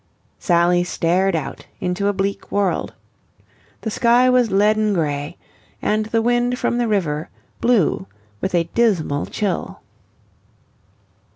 Sally stared out into a bleak world. The sky was a leaden grey, and the wind from the river blew with a dismal chill.